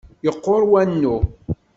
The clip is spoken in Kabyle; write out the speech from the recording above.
Yeqqur wanu.